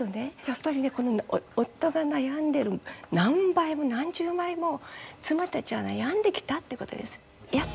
やっぱりね夫が悩んでる何倍も何十倍も妻たちは悩んできたってことです。